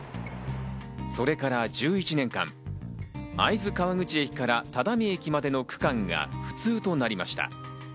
それから１１年間、会津川口駅から只見駅までの区間が不通となりました。